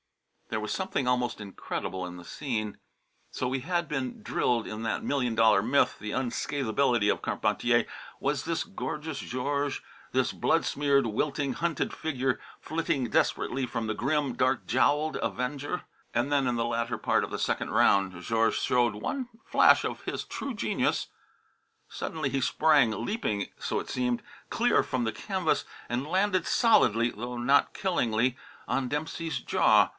There was something almost incredible in the scene so we had been drilled in that Million Dollar Myth, the unscathability of Carpentier. Was this Gorgeous Georges, this blood smeared, wilting, hunted figure, flitting desperately from the grim, dark jowled avenger? And then, in the latter part of the second round, Georges showed one flash of his true genius. Suddenly he sprang, leaping (so it seemed) clear from the canvas, and landed solidly (though not killingly) on Dempsey's jaw.